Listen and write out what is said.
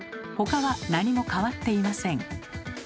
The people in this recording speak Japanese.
他は何も変わっていません。